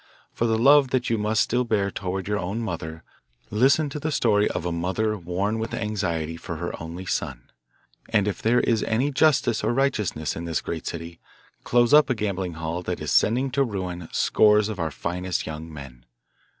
For the love that you must still bear toward your own mother, listen to the story of a mother worn with anxiety for her only son, and if there is any justice or righteousness in this great city close up a gambling hell that is sending to ruin scores of our finest young men.